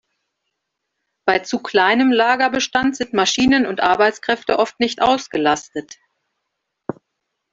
Bei zu kleinem Lagerbestand sind Maschinen und Arbeitskräfte oft nicht ausgelastet.